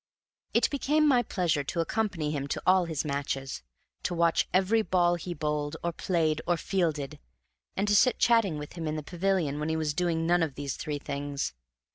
It became my pleasure to accompany him to all his matches, to watch every ball he bowled, or played, or fielded, and to sit chatting with him in the pavilion when he was doing none of these three things.